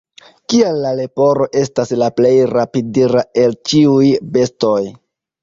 Kial la leporo estas la plej rapidira el ĉiuj bestoj?